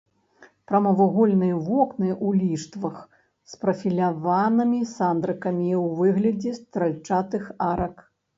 Прамавугольныя вокны ў ліштвах з прафіляванымі сандрыкамі ў выглядзе стральчатых арак.